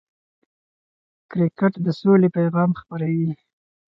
کرکټ د سولې پیغام خپروي.